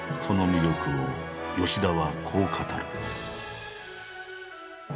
その魅力を吉田はこう語る。